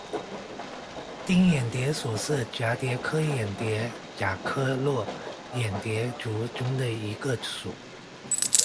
玎眼蝶属是蛱蝶科眼蝶亚科络眼蝶族中的一个属。